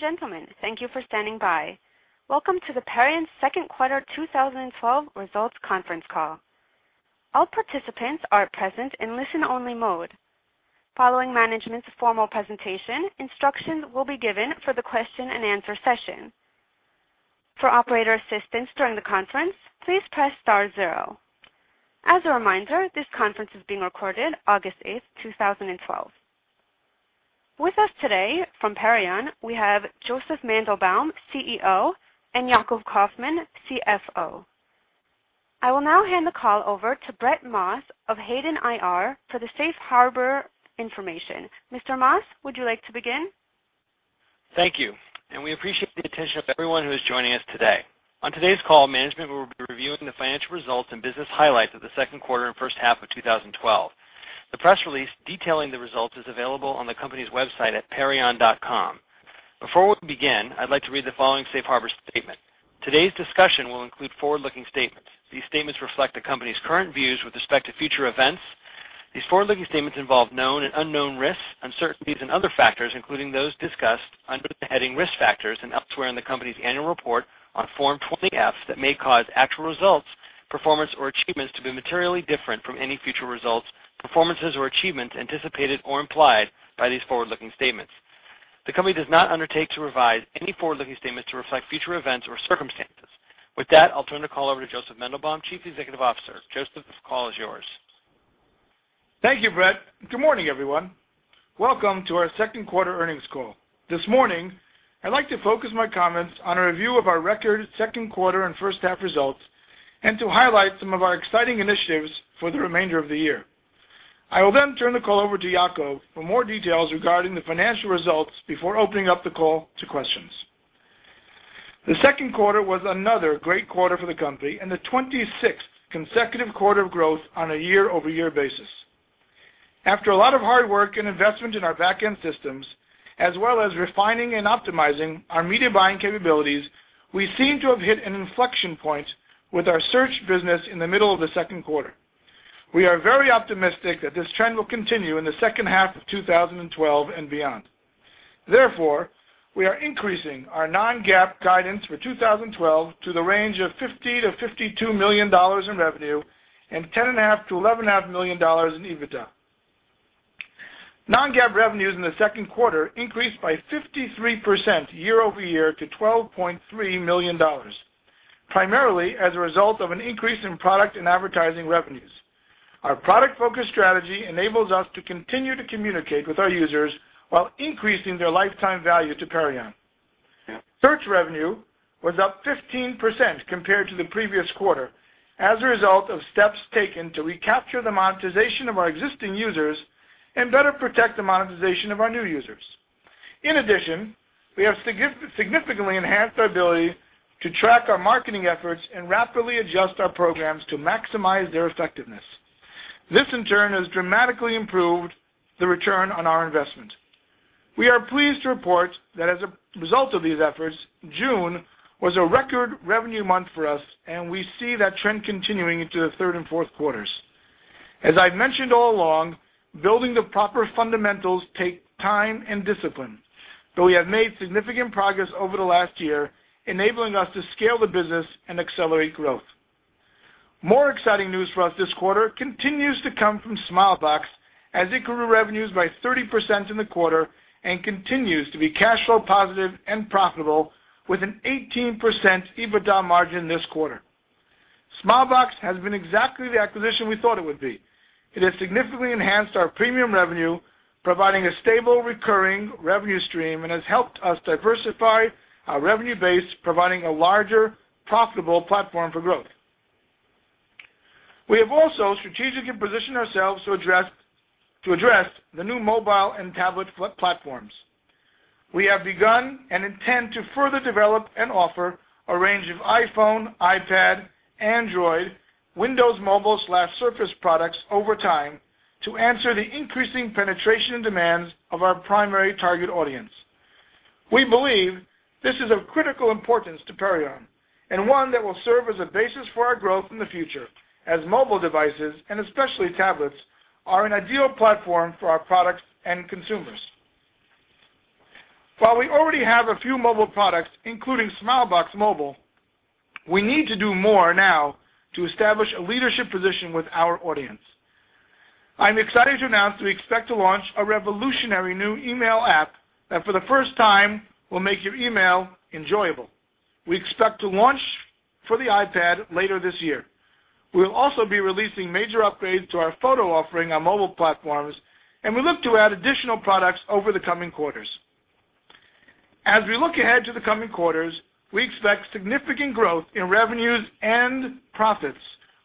Ladies and gentlemen, thank you for standing by. Welcome to the Perion second quarter 2012 results conference call. All participants are present in listen-only mode. Following management's formal presentation, instruction will be given for the question and answer session. For operator assistance during the conference, please press star zero. As a reminder, this conference is being recorded August 8th, 2012. With us today from Perion, we have Josef Mandelbaum, CEO, and Yacov Kaufman, CFO. I will now hand the call over to Brett Maas of Hayden IR for the safe harbor information. Mr. Maas, would you like to begin? Thank you. We appreciate the attention of everyone who is joining us today. On today's call, management will be reviewing the financial results and business highlights of the second quarter and first half of 2012. The press release detailing the results is available on the company's website at perion.com. Before we begin, I'd like to read the following safe harbor statement. Today's discussion will include forward-looking statements. These statements reflect the company's current views with respect to future events. These forward-looking statements involve known and unknown risks, uncertainties, and other factors, including those discussed under the heading Risk Factors and elsewhere in the company's annual report on Form 20-F, that may cause actual results, performance, or achievements to be materially different from any future results, performances, or achievements anticipated or implied by these forward-looking statements. The company does not undertake to revise any forward-looking statements to reflect future events or circumstances. With that, I'll turn the call over to Josef Mandelbaum, Chief Executive Officer. Josef, the call is yours. Thank you, Brett. Good morning, everyone. Welcome to our second quarter earnings call. This morning, I'd like to focus my comments on a review of our record second quarter and first half results and to highlight some of our exciting initiatives for the remainder of the year. I will then turn the call over to Yacov for more details regarding the financial results before opening up the call to questions. The second quarter was another great quarter for the company and the 26th consecutive quarter of growth on a year-over-year basis. After a lot of hard work and investment in our back-end systems, as well as refining and optimizing our media buying capabilities, we seem to have hit an inflection point with our search business in the middle of the second quarter. We are very optimistic that this trend will continue in the second half of 2012 and beyond. Therefore, we are increasing our non-GAAP guidance for 2012 to the range of $50 million-$52 million in revenue and $10.5 million-$11.5 million in EBITDA. Non-GAAP revenues in the second quarter increased by 53% year-over-year to $12.3 million, primarily as a result of an increase in product and advertising revenues. Our product-focused strategy enables us to continue to communicate with our users while increasing their lifetime value to Perion. Search revenue was up 15% compared to the previous quarter as a result of steps taken to recapture the monetization of our existing users and better protect the monetization of our new users. In addition, we have significantly enhanced our ability to track our marketing efforts and rapidly adjust our programs to maximize their effectiveness. This, in turn, has dramatically improved the return on our investment. We are pleased to report that as a result of these efforts, June was a record revenue month for us, and we see that trend continuing into the third and fourth quarters. As I've mentioned all along, building the proper fundamentals takes time and discipline, though we have made significant progress over the last year, enabling us to scale the business and accelerate growth. More exciting news for us this quarter continues to come from Smilebox, as it grew revenues by 30% in the quarter and continues to be cash flow positive and profitable with an 18% EBITDA margin this quarter. Smilebox has been exactly the acquisition we thought it would be. It has significantly enhanced our premium revenue, providing a stable recurring revenue stream, and has helped us diversify our revenue base, providing a larger, profitable platform for growth. We have also strategically positioned ourselves to address the new mobile and tablet platforms. We have begun and intend to further develop and offer a range of iPhone, iPad, Android, Windows Mobile/Surface products over time to answer the increasing penetration demands of our primary target audience. We believe this is of critical importance to Perion and one that will serve as a basis for our growth in the future as mobile devices, and especially tablets, are an ideal platform for our products and consumers. While we already have a few mobile products, including Smilebox Mobile, we need to do more now to establish a leadership position with our audience. I'm excited to announce that we expect to launch a revolutionary new email app that, for the first time, will make your email enjoyable. We expect to launch for the iPad later this year. We'll also be releasing major upgrades to our photo offering on mobile platforms. We look to add additional products over the coming quarters. As we look ahead to the coming quarters, we expect significant growth in revenues and profits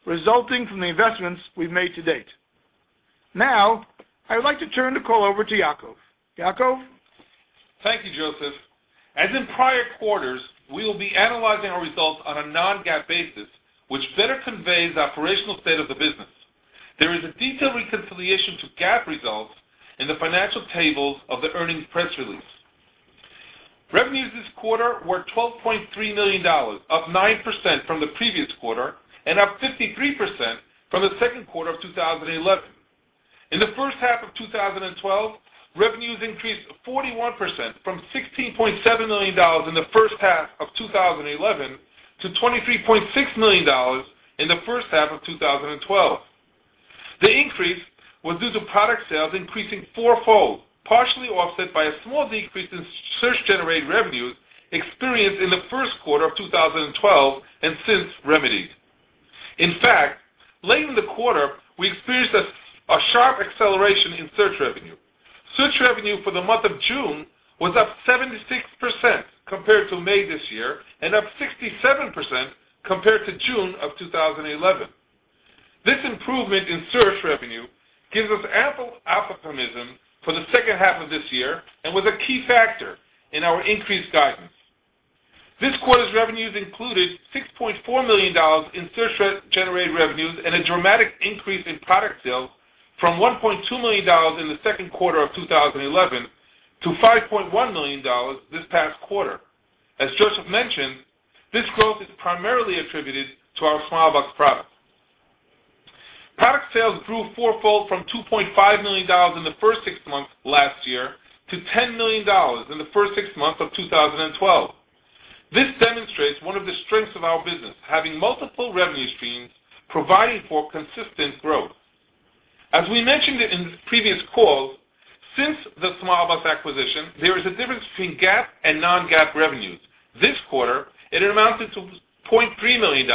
resulting from the investments we've made to date. Now, I would like to turn the call over to Yacov. Yacov? Thank you, Josef. As in prior quarters, we will be analyzing our results on a non-GAAP basis, which better conveys the operational state of the business. There is a detailed reconciliation to GAAP results in the financial tables of the earnings press release. Revenues this quarter were $12.3 million, up 9% from the previous quarter and up 53% from the second quarter of 2011. In the first half of 2012, revenues increased 41%, from $16.7 million in the first half of 2011 to $23.6 million in the first half of 2012. The increase was due to product sales increasing four-fold, partially offset by a small decrease in search-generated revenues experienced in the first quarter of 2012 and since remedied. In fact, late in the quarter, we experienced a sharp acceleration in search revenue. Search revenue for the month of June was up 76% compared to May this year, and up 67% compared to June of 2011. This improvement in search revenue gives us ample optimism for the second half of this year and was a key factor in our increased guidance. This quarter's revenues included $6.4 million in search-generated revenues and a dramatic increase in product sales from $1.2 million in the second quarter of 2011 to $5.1 million this past quarter. As Josef mentioned, this growth is primarily attributed to our Smilebox product. Product sales grew four-fold from $2.5 million in the first six months last year to $10 million in the first six months of 2012. This demonstrates one of the strengths of our business, having multiple revenue streams providing for consistent growth. As we mentioned in previous calls, since the Smilebox acquisition, there is a difference between GAAP and non-GAAP revenues. This quarter, it amounted to $0.3 million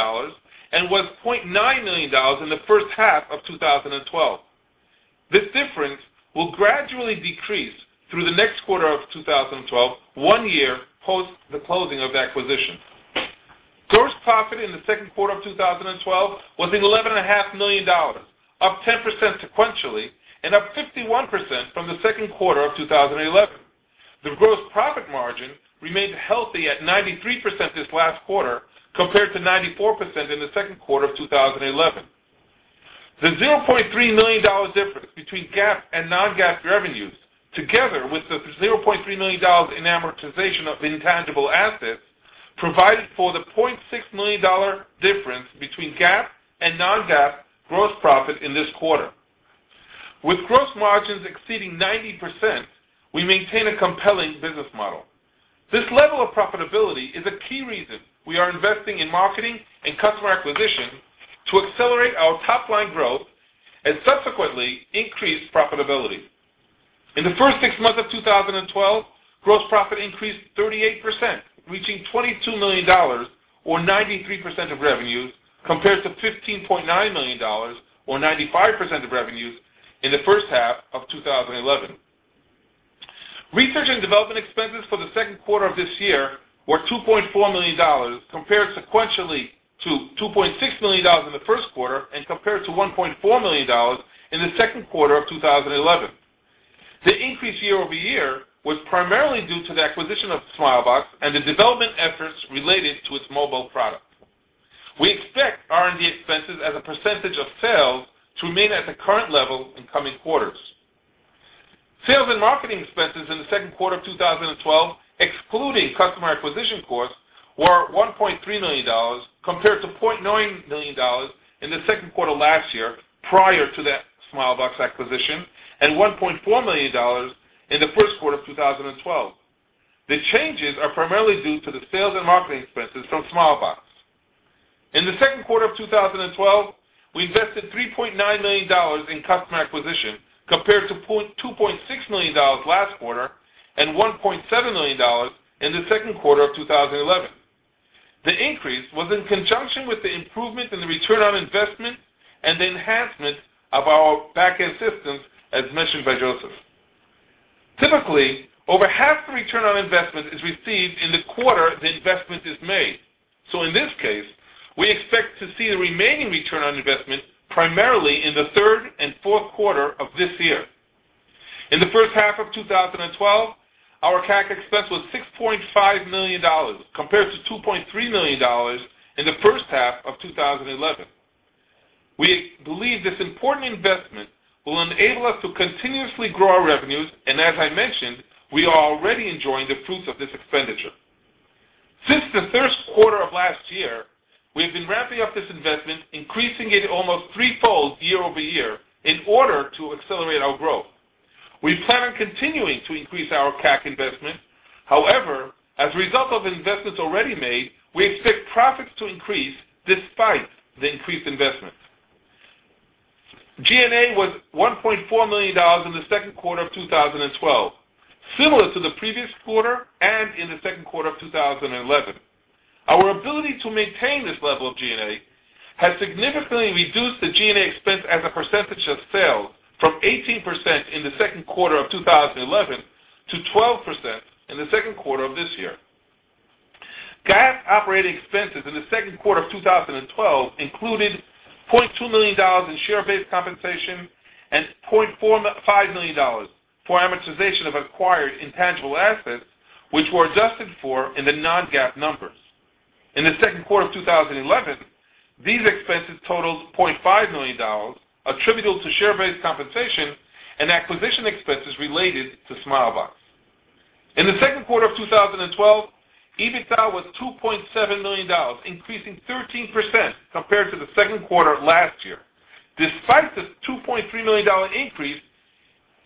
and was $0.9 million in the first half of 2012. This difference will gradually decrease through the next quarter of 2012, one year post the closing of the acquisition. Gross profit in the second quarter of 2012 was $11.5 million, up 10% sequentially and up 51% from the second quarter of 2011. The gross profit margin remained healthy at 93% this last quarter, compared to 94% in the second quarter of 2011. The $0.3 million difference between GAAP and non-GAAP revenues, together with the $0.3 million in amortization of intangible assets, provided for the $0.6 million difference between GAAP and non-GAAP gross profit in this quarter. With gross margins exceeding 90%, we maintain a compelling business model. This level of profitability is a key reason we are investing in marketing and customer acquisition to accelerate our top-line growth and subsequently increase profitability. In the first six months of 2012, gross profit increased 38%, reaching $22 million, or 93% of revenues, compared to $15.9 million, or 95% of revenues, in the first half of 2011. Research and development expenses for the second quarter of this year were $2.4 million, compared sequentially to $2.6 million in the first quarter and compared to $1.4 million in the second quarter of 2011. The increase year-over-year was primarily due to the acquisition of Smilebox and the development efforts related to its mobile product. We expect R&D expenses as a % of sales to remain at the current level in coming quarters. Sales and marketing expenses in the second quarter of 2012, excluding customer acquisition costs, were $1.3 million, compared to $0.9 million in the second quarter last year, prior to that Smilebox acquisition, and $1.4 million in the first quarter of 2012. The changes are primarily due to the sales and marketing expenses from Smilebox. In the second quarter of 2012, we invested $3.9 million in customer acquisition, compared to $2.6 million last quarter and $1.7 million in the second quarter of 2011. The increase was in conjunction with the improvement in the return on investment and the enhancement of our back-end systems, as mentioned by Josef. Typically, over half the return on investment is received in the quarter the investment is made. In this case, we expect to see the remaining return on investment primarily in the third and fourth quarter of this year. In the first half of 2012, our CAC expense was $6.5 million, compared to $2.3 million in the first half of 2011. We believe this important investment will enable us to continuously grow our revenues. As I mentioned, we are already enjoying the fruits of this expenditure. Since the first quarter of last year, we have been ramping up this investment, increasing it almost three-fold year-over-year, in order to accelerate our growth. We plan on continuing to increase our CAC investment. However, as a result of investments already made, we expect profits to increase despite the increased investment. G&A was $1.4 million in the second quarter of 2012, similar to the previous quarter and in the second quarter of 2011. Our ability to maintain this level of G&A has significantly reduced the G&A expense as a % of sales from 18% in the second quarter of 2011 to 12% in the second quarter of this year. GAAP operating expenses in the second quarter of 2012 included $0.2 million in share-based compensation and $0.5 million for amortization of acquired intangible assets, which were adjusted for in the non-GAAP numbers. In the second quarter of 2011, these expenses totaled $0.5 million, attributable to share-based compensation and acquisition expenses related to Smilebox. In the second quarter of 2012, EBITDA was $2.7 million, increasing 13% compared to the second quarter of last year, despite the $2.3 million increase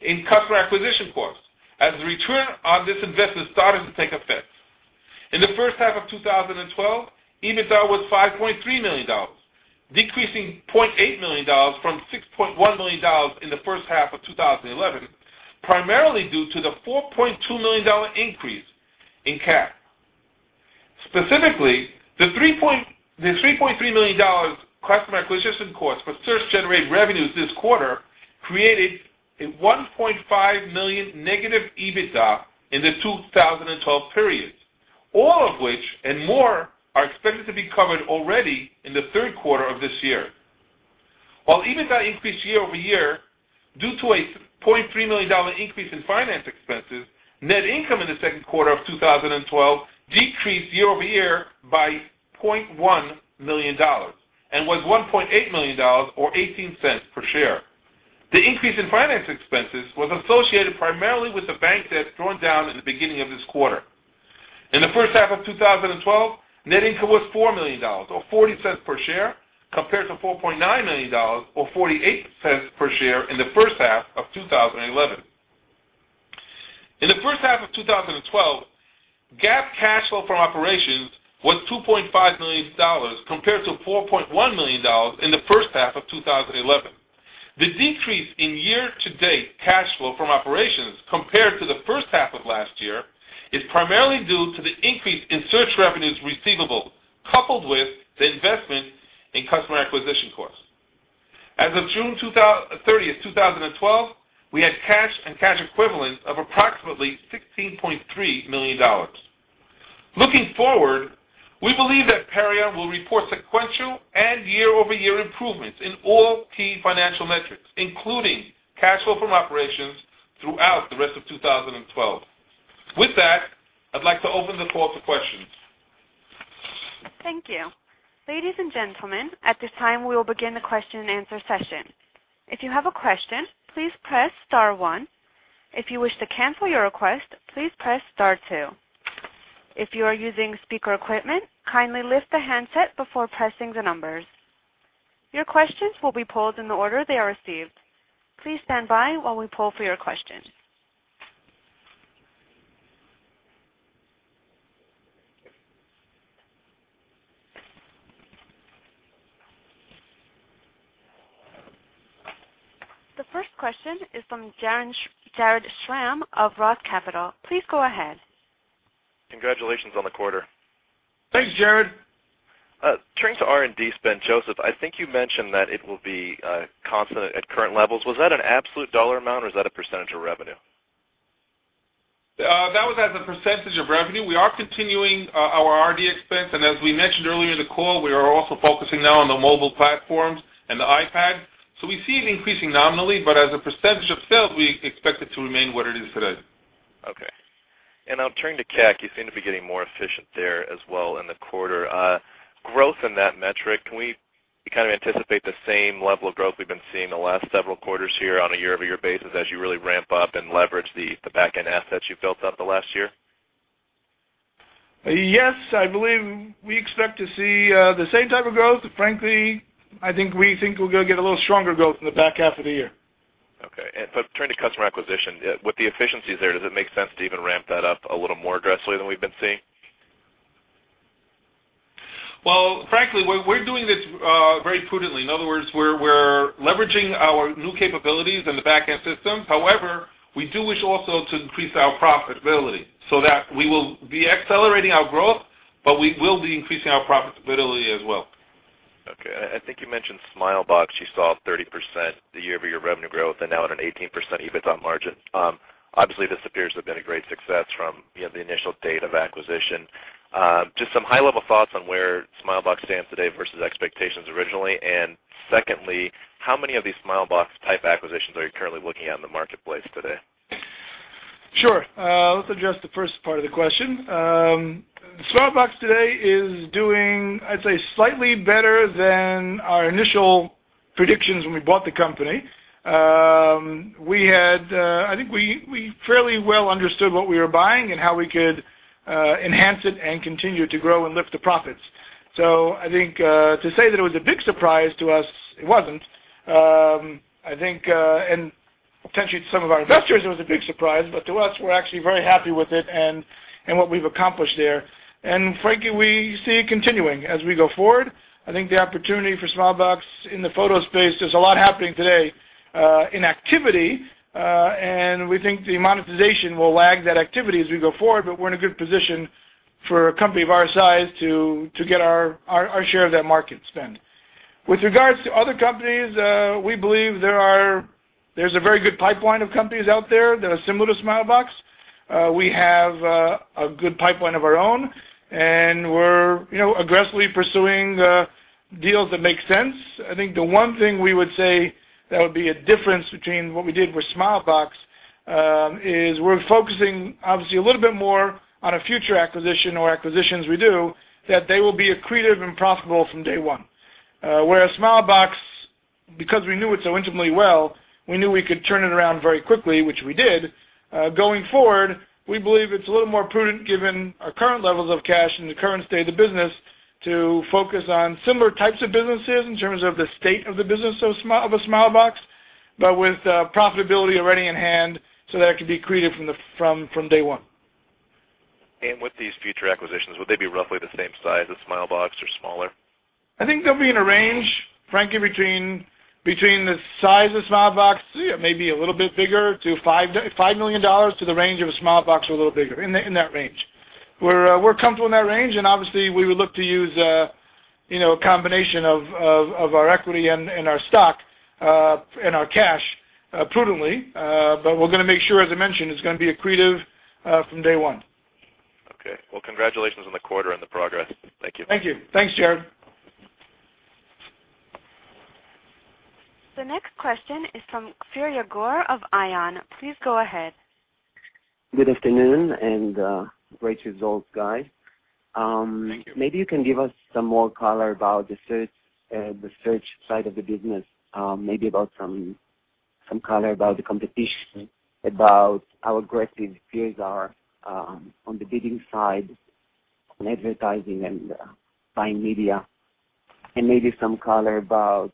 in customer acquisition costs as the return on this investment started to take effect. In the first half of 2012, EBITDA was $5.3 million, decreasing $0.8 million from $6.1 million in the first half of 2011, primarily due to the $4.2 million increase in CAC. Specifically, the $3.3 million customer acquisition cost for search-generated revenues this quarter created a $1.5 million negative EBITDA in the 2012 period, all of which and more are expected to be covered already in the third quarter of this year. While EBITDA increased year-over-year, due to a $0.3 million increase in finance expenses, net income in the second quarter of 2012 decreased year-over-year by $0.1 million and was $1.8 million, or $0.18 per share. The increase in finance expenses was associated primarily with the bank debt drawn down at the beginning of this quarter. In the first half of 2012, net income was $4 million, or $0.40 per share, compared to $4.9 million or $0.48 per share in the first half of 2011. In the first half of 2012, GAAP cash flow from operations was $2.5 million compared to $4.1 million in the first half of 2011. The decrease in year-to-date cash flow from operations compared to the first half of last year is primarily due to the increase in search revenues receivable, coupled with the investment in customer acquisition costs. As of June 30th, 2012, we had cash and cash equivalents of approximately $16.3 million. Looking forward, we believe that Perion will report sequential and year-over-year improvements in all key financial metrics, including cash flow from operations, throughout the rest of 2012. With that, I'd like to open the floor to questions. Thank you. Ladies and gentlemen, at this time, we will begin the question and answer session. If you have a question, please press star one. If you wish to cancel your request, please press star two. If you are using speaker equipment, kindly lift the handset before pressing the numbers. Your questions will be pulled in the order they are received. Please stand by while we pull for your question. The first question is from Jared Schramm of Roth Capital Partners. Please go ahead. Congratulations on the quarter. Thanks, Jared. Turning to R&D spend, Josef, I think you mentioned that it will be constant at current levels. Was that an absolute dollar amount, or is that a percentage of revenue? That was as a percentage of revenue. We are continuing our R&D expense. As we mentioned earlier in the call, we are also focusing now on the mobile platforms and the iPad. We see it increasing nominally, but as a percentage of sales, we expect it to remain what it is today. Okay. I'll turn to CAC. You seem to be getting more efficient there as well in the quarter. Growth in that metric, can we kind of anticipate the same level of growth we've been seeing the last several quarters here on a year-over-year basis as you really ramp up and leverage the back-end assets you've built up the last year? Yes, I believe we expect to see the same type of growth. Frankly, I think we think we're going to get a little stronger growth in the back half of the year. Okay. Turning to customer acquisition, with the efficiencies there, does it make sense to even ramp that up a little more aggressively than we've been seeing? Well, frankly, we're doing this very prudently. In other words, we're leveraging our new capabilities in the back-end systems. However, we do wish also to increase our profitability so that we will be accelerating our growth, but we will be increasing our profitability as well. Okay. I think you mentioned Smilebox, you saw 30% year-over-year revenue growth and now at an 18% EBITDA margin. Obviously, this appears to have been a great success from the initial date of acquisition. Just some high-level thoughts on where Smilebox stands today versus expectations originally. Secondly, how many of these Smilebox-type acquisitions are you currently looking at in the marketplace today? Sure. Let's address the first part of the question. Smilebox today is doing, I'd say, slightly better than our initial predictions when we bought the company. I think we fairly well understood what we were buying and how we could enhance it and continue to grow and lift the profits. I think to say that it was a big surprise to us, it wasn't. I think, and potentially to some of our investors, it was a big surprise, but to us, we're actually very happy with it and what we've accomplished there. Frankly, we see it continuing as we go forward. I think the opportunity for Smilebox in the photo space, there's a lot happening today in activity. We think the monetization will lag that activity as we go forward, but we're in a good position for a company of our size to get our share of that market spend. With regards to other companies, we believe there's a very good pipeline of companies out there that are similar to Smilebox. We have a good pipeline of our own. We're aggressively pursuing deals that make sense. I think the one thing we would say that would be a difference between what we did with Smilebox is we're focusing obviously a little bit more on a future acquisition or acquisitions we do, that they will be accretive and profitable from day one. Whereas Smilebox. Because we knew it so intimately well, we knew we could turn it around very quickly, which we did. Going forward, we believe it's a little more prudent, given our current levels of cash and the current state of the business, to focus on similar types of businesses in terms of the state of the business of a Smilebox, with profitability already in hand so that it can be accretive from day one. With these future acquisitions, would they be roughly the same size as Smilebox or smaller? I think they'll be in a range, frankly, between the size of Smilebox, maybe a little bit bigger, to $5 million to the range of a Smilebox or a little bigger, in that range. We're comfortable in that range, and obviously, we would look to use a combination of our equity and our stock and our cash prudently. We're going to make sure, as I mentioned, it's going to be accretive from day one. Okay. Well, congratulations on the quarter and the progress. Thank you. Thank you. Thanks, Jared. The next question is from Firia Gor of Ion. Please go ahead. Good afternoon, and great results, guys. Thank you. Maybe you can give us some more color about the search side of the business, maybe about some color about the competition, about how aggressive peers are on the bidding side on advertising and buying media, and maybe some color about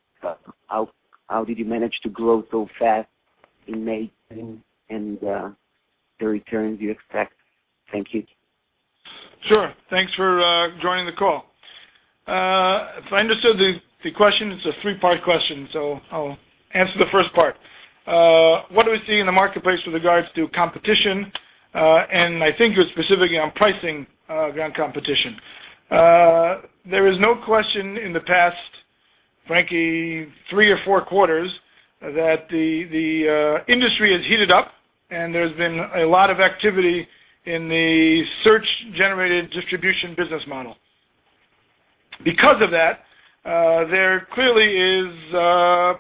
how did you manage to grow so fast in May, and the returns you expect. Thank you. Sure. Thanks for joining the call. If I understood the question, it's a three-part question, so I'll answer the first part. What do we see in the marketplace with regards to competition? I think you're specifically on pricing competition. There is no question in the past, frankly, three or four quarters, that the industry has heated up, and there's been a lot of activity in the search-generated distribution business model. Because of that, there clearly is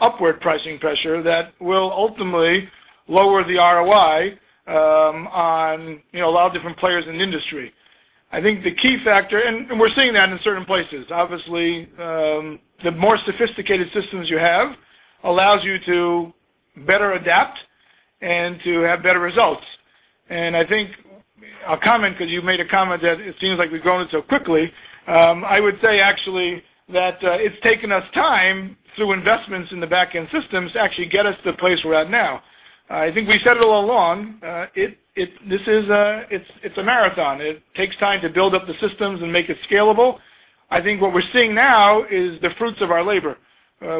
upward pricing pressure that will ultimately lower the ROI on a lot of different players in the industry. We're seeing that in certain places. Obviously, the more sophisticated systems you have allows you to better adapt and to have better results. I think I'll comment because you made a comment that it seems like we've grown it so quickly. I would say actually that it's taken us time, through investments in the back-end systems, to actually get us to the place we're at now. I think we said it all along. It's a marathon. It takes time to build up the systems and make it scalable. I think what we're seeing now is the fruits of our labor.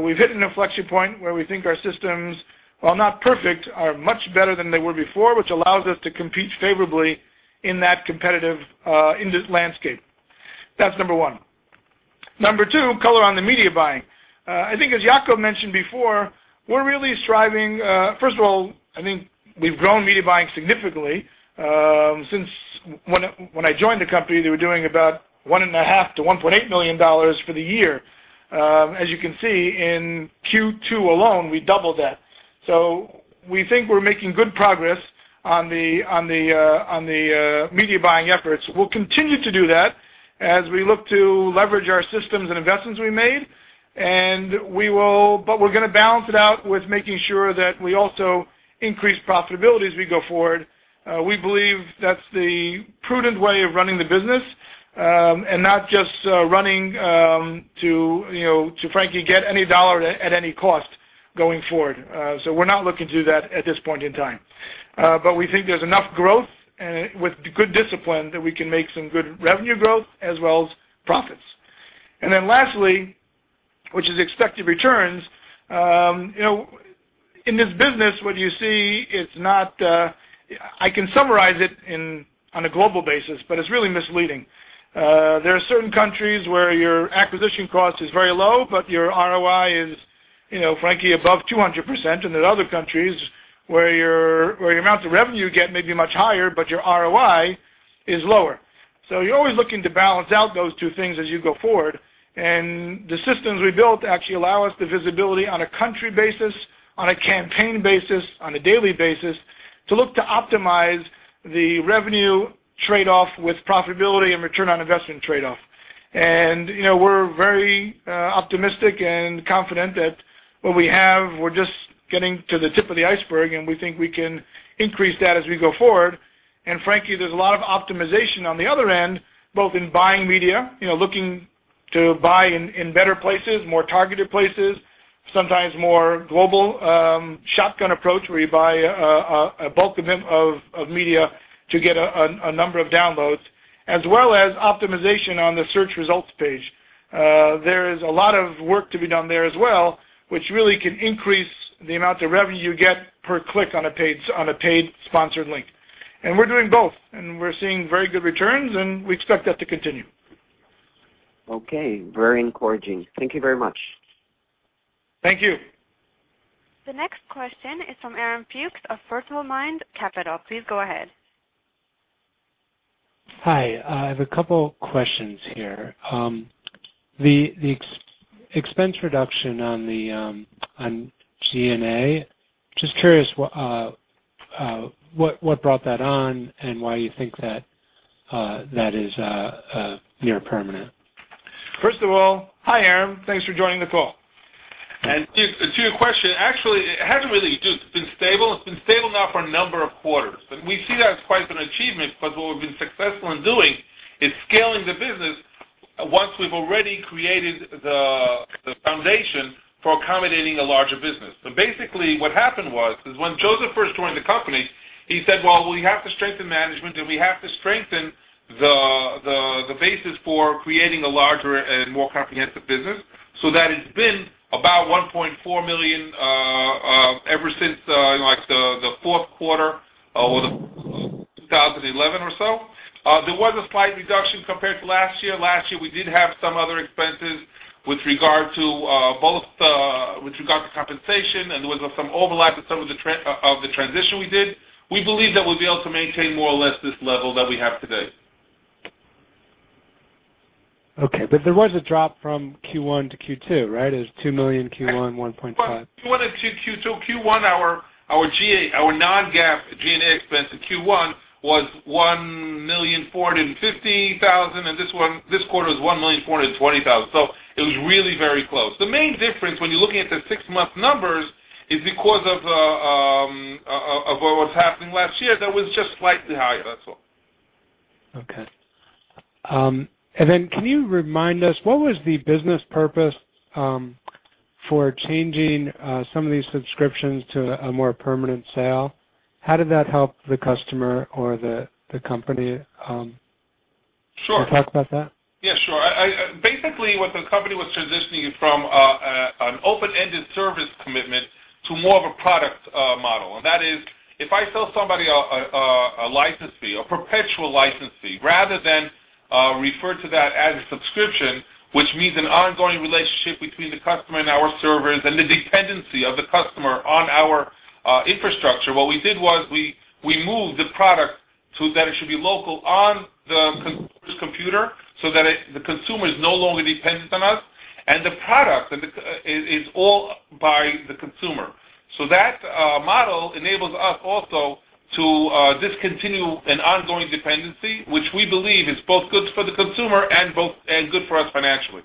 We've hit an inflection point where we think our systems, while not perfect, are much better than they were before, which allows us to compete favorably in that competitive landscape. That's number one. Number two, color on the media buying. I think as Yacov mentioned before, we're really striving. First of all, I think we've grown media buying significantly. Since when I joined the company, they were doing about $1.5 million-$1.8 million for the year. As you can see, in Q2 alone, we doubled that. We think we're making good progress on the media buying efforts. We'll continue to do that as we look to leverage our systems and investments we made. We're going to balance it out with making sure that we also increase profitability as we go forward. We believe that's the prudent way of running the business, and not just running to frankly, get any dollar at any cost going forward. We're not looking to do that at this point in time. We think there's enough growth, and with good discipline, that we can make some good revenue growth as well as profits. Lastly, which is expected returns. In this business, what you see, I can summarize it on a global basis, but it's really misleading. There are certain countries where your acquisition cost is very low, but your ROI is frankly above 200%, and there are other countries where your amount of revenue you get may be much higher, but your ROI is lower. You're always looking to balance out those two things as you go forward. The systems we built actually allow us the visibility on a country basis, on a campaign basis, on a daily basis, to look to optimize the revenue trade-off with profitability and return on investment trade-off. We're very optimistic and confident that what we have, we're just getting to the tip of the iceberg, and we think we can increase that as we go forward. Frankly, there's a lot of optimization on the other end, both in buying media, looking to buy in better places, more targeted places, sometimes more global shotgun approach where you buy a bulk of media to get a number of downloads, as well as optimization on the search results page. There is a lot of work to be done there as well, which really can increase the amount of revenue you get per click on a paid sponsored link. We're doing both, and we're seeing very good returns, and we expect that to continue. Okay. Very encouraging. Thank you very much. Thank you. The next question is from Aaron Fuchs of First Mile Mind Capital. Please go ahead. Hi. I have a couple questions here. The expense reduction on G&A, just curious what brought that on, and why you think that- That is near permanent. First of all, hi, Aaron. Thanks for joining the call. To your question, actually, It's been stable now for a number of quarters. We see that as quite an achievement because what we've been successful in doing is scaling the business once we've already created the foundation for accommodating a larger business. Basically what happened was, is when Josef first joined the company, he said, "We have to strengthen management, and we have to strengthen the basis for creating a larger and more comprehensive business." That has been about $1.4 million, ever since the fourth quarter 2011 or so. There was a slight reduction compared to last year. Last year, we did have some other expenses with regard to compensation, and there was some overlap with some of the transition we did. We believe that we'll be able to maintain more or less this level that we have today. Okay. There was a drop from Q1 to Q2, right? It was $2 million Q1, 1.5- Q1 and Q2. Q1, our non-GAAP G&A expense in Q1 was $1,450,000, and this quarter is $1,420,000. It was really very close. The main difference when you're looking at the six-month numbers is because of what was happening last year that was just slightly higher, that's all. Okay. Can you remind us, what was the business purpose for changing some of these subscriptions to a more permanent sale? How did that help the customer or the company? Sure. Can you talk about that? Yeah, sure. Basically, what the company was transitioning from an open-ended service commitment to more of a product model. That is, if I sell somebody a license fee, a perpetual license fee, rather than refer to that as a subscription, which means an ongoing relationship between the customer and our servers and the dependency of the customer on our infrastructure. What we did was we moved the product to that it should be local on the consumer's computer so that the consumer is no longer dependent on us, and the product is all by the consumer. That model enables us also to discontinue an ongoing dependency, which we believe is both good for the consumer and good for us financially.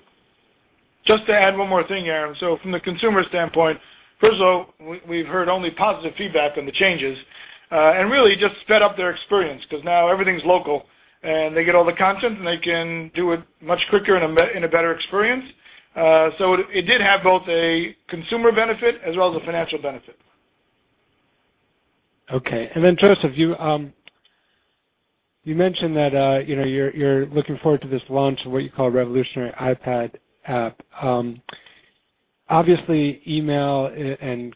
Just to add one more thing, Aaron. From the consumer standpoint, first of all, we've heard only positive feedback on the changes, and really just sped up their experience because now everything's local, and they get all the content, and they can do it much quicker in a better experience. It did have both a consumer benefit as well as a financial benefit. Okay. Josef, you mentioned that you're looking forward to this launch of what you call revolutionary iPad app. Obviously, email and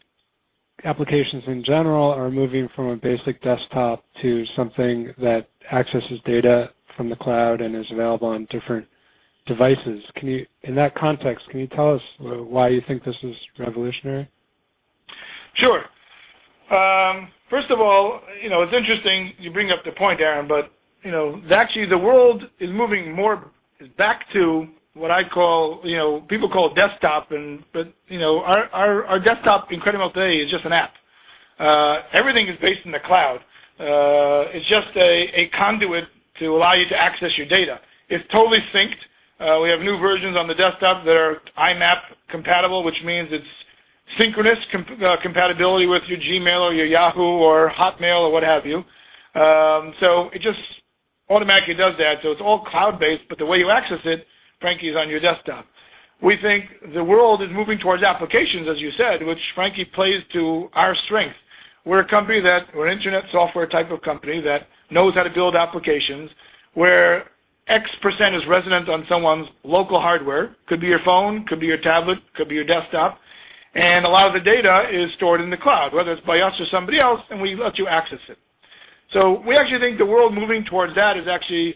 applications in general are moving from a basic desktop to something that accesses data from the cloud and is available on different devices. In that context, can you tell us why you think this is revolutionary? Sure. First of all, it's interesting you bring up the point, Aaron, actually the world is moving more back to what people call desktop, our desktop in credibility today is just an app. Everything is based in the cloud. It's just a conduit to allow you to access your data. It's totally synced. We have new versions on the desktop that are IMAP-compatible, which means it's synchronous compatibility with your Gmail or your Yahoo or Hotmail or what have you. It just automatically does that. It's all cloud-based, but the way you access it, frankly, is on your desktop. We think the world is moving towards applications, as you said, which, frankly, plays to our strength. We're an internet software type of company that knows how to build applications where X% is resident on someone's local hardware, could be your phone, could be your tablet, could be your desktop. A lot of the data is stored in the cloud, whether it's by us or somebody else, and we let you access it. We actually think the world moving towards that is actually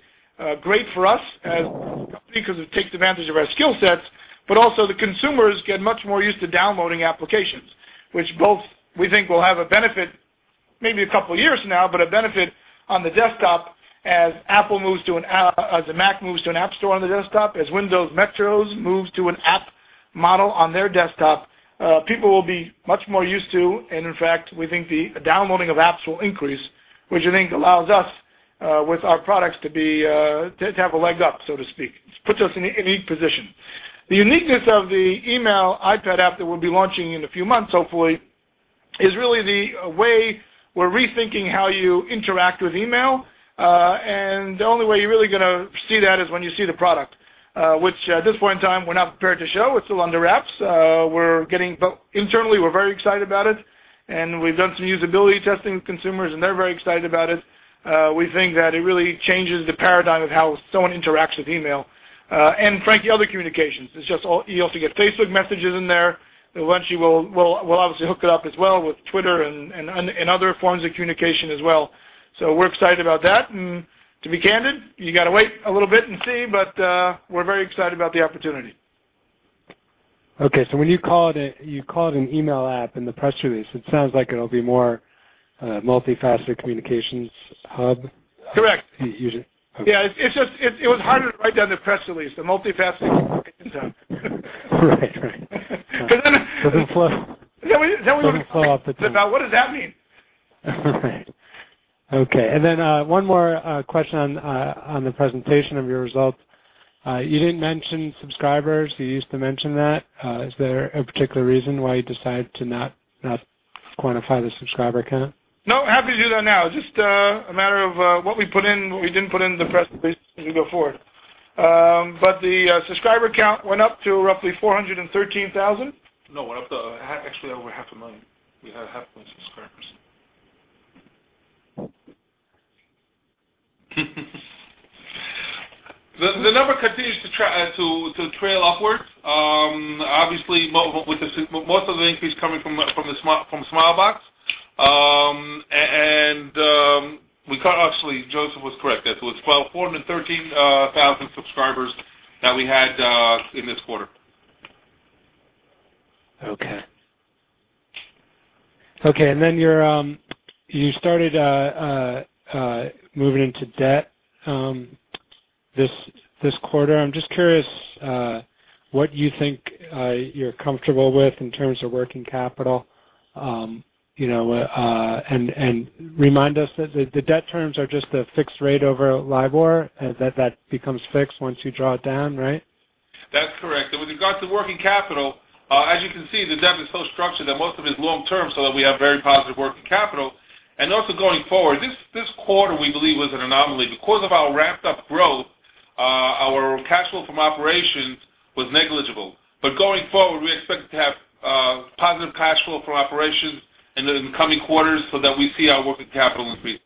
great for us as a company because it takes advantage of our skill sets, but also the consumers get much more used to downloading applications, which both we think will have a benefit, maybe a couple of years from now, but a benefit on the desktop as the Mac moves to an App Store on the desktop, as Windows Metro moves to an app model on their deskto p. People will be much more used to, in fact, we think the downloading of apps will increase, which I think allows us, with our products, to have a leg up, so to speak. It puts us in a unique position. The uniqueness of the email iPad app that we'll be launching in a few months, hopefully, is really the way we're rethinking how you interact with email. The only way you're really going to see that is when you see the product, which at this point in time, we're not prepared to show. It's still under wraps. Internally, we're very excited about it, and we've done some usability testing with consumers, and they're very excited about it. We think that it really changes the paradigm of how someone interacts with email, and frankly, other communications. You also get Facebook messages in there. Eventually, we'll obviously hook it up as well with Twitter and other forms of communication as well. We're excited about that. To be candid, you got to wait a little bit and see, we're very excited about the opportunity. Okay. When you called it an email app in the press release, it sounds like it'll be more a multi-faceted communications hub. Correct. Okay. Yeah, it was harder to write down the press release, a multi-faceted communications hub. Right. Is that what you- Let me follow up with you. What does that mean? Okay. One more question on the presentation of your results. You didn't mention subscribers. You used to mention that. Is there a particular reason why you decided to not quantify the subscriber count? No, happy to do that now. Just a matter of what we put in, what we didn't put in the presentation as we go forward. The subscriber count went up to roughly 413,000. No, went up to actually over half a million. We had half a million subscribers. The number continues to trail upwards. Obviously, most of the increase coming from Smilebox. Actually, Josef was correct. It's 413,000 subscribers that we had in this quarter. Okay. Okay, you started moving into debt this quarter. I'm just curious what you think you're comfortable with in terms of working capital. Remind us that the debt terms are just a fixed rate over LIBOR, and that becomes fixed once you draw it down, right? That's correct. With regards to working capital, as you can see, the debt is so structured that most of it's long-term, so that we have very positive working capital. Also going forward, this quarter, we believe, was an anomaly. Because of our ramped-up growth, our cash flow from operations was negligible. Going forward, we expect to have positive cash flow from operations in the coming quarters so that we see our working capital increase.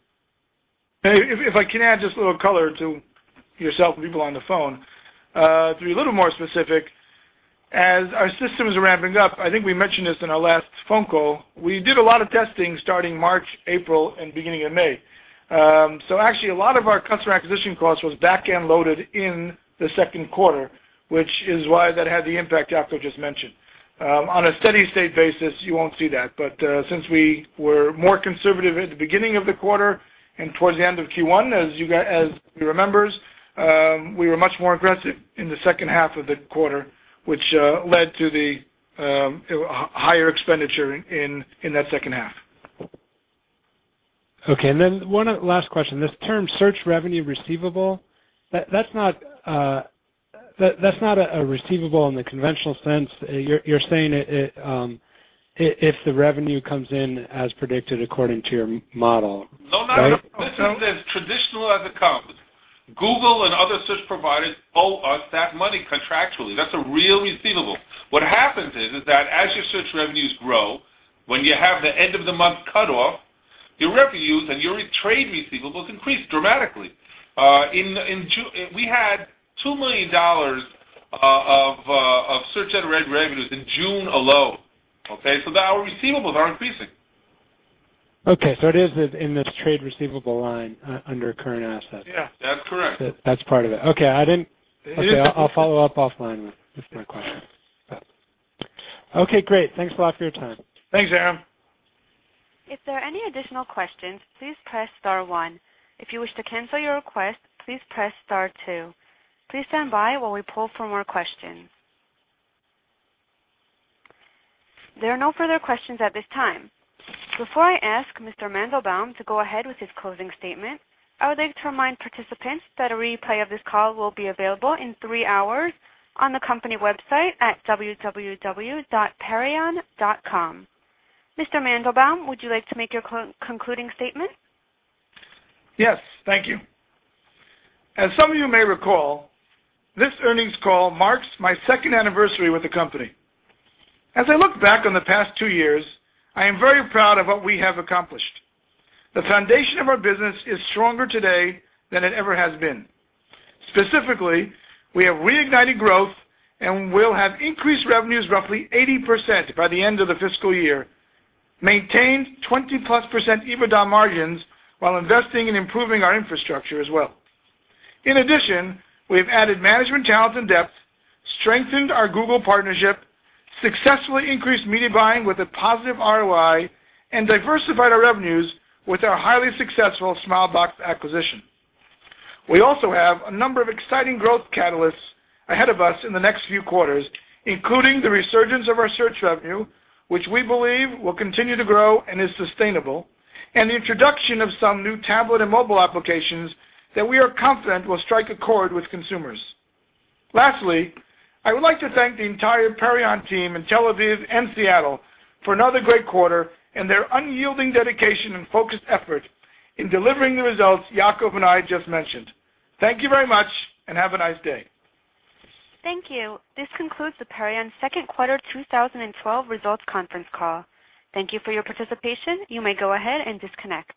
If I can add just a little color to yourself and people on the phone. To be a little more specific, as our systems are ramping up, I think we mentioned this in our last phone call, we did a lot of testing starting March, April, and beginning of May. Actually, a lot of our customer acquisition costs was back-end loaded in the second quarter, which is why that had the impact Yaacov just mentioned. On a steady-state basis, you won't see that. Since we were more conservative at the beginning of the quarter and towards the end of Q1, as who remembers, we were much more aggressive in the second half of the quarter, which led to the higher expenditure in that second half. Okay, then one last question. This term, search revenue receivable, that's not a receivable in the conventional sense. You're saying if the revenue comes in as predicted according to your model, right? No, not at all. Listen, this is traditional as it comes. Google and other search providers owe us that money contractually. That's a real receivable. What happens is that as your search revenues grow, when you have the end of the month cutoff, your revenues and your trade receivables increase dramatically. We had $2 million of search-generated revenues in June alone. Okay? Our receivables are increasing. Okay, it is in this trade receivable line under current assets. Yeah. That's correct. That's part of it. Okay. I'll follow up offline with my question. Okay, great. Thanks a lot for your time. Thanks, Aaron. If there are any additional questions, please press star one. If you wish to cancel your request, please press star two. Please stand by while we pull for more questions. There are no further questions at this time. Before I ask Mr. Mandelbaum to go ahead with his closing statement, I would like to remind participants that a replay of this call will be available in three hours on the company website at www.perion.com. Mr. Mandelbaum, would you like to make your concluding statement? Yes, thank you. As some of you may recall, this earnings call marks my second anniversary with the company. As I look back on the past two years, I am very proud of what we have accomplished. The foundation of our business is stronger today than it ever has been. Specifically, we have reignited growth and will have increased revenues roughly 80% by the end of the fiscal year, maintained 20-plus% EBITDA margins while investing in improving our infrastructure as well. In addition, we have added management talent and depth, strengthened our Google partnership, successfully increased media buying with a positive ROI, and diversified our revenues with our highly successful Smilebox acquisition. We also have a number of exciting growth catalysts ahead of us in the next few quarters, including the resurgence of our search revenue, which we believe will continue to grow and is sustainable, and the introduction of some new tablet and mobile applications that we are confident will strike a chord with consumers. Lastly, I would like to thank the entire Perion team in Tel Aviv and Seattle for another great quarter and their unyielding dedication and focused effort in delivering the results Yaacov and I just mentioned. Thank you very much, and have a nice day. Thank you. This concludes the Perion second quarter 2012 results conference call. Thank you for your participation. You may go ahead and disconnect.